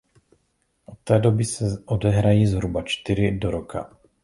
Od té doby se odehrají zhruba čtyři do roka.